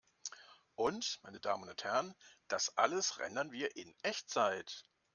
Und, meine Damen und Herren, das alles rendern wir in Echtzeit!